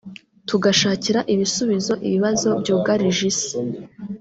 tugashakira ibisubizo ibibazo byugarije Isi